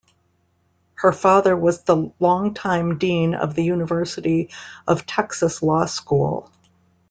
Her father was the longtime dean of the University of Texas Law School.